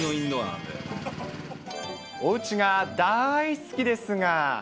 おうちが大好きですが。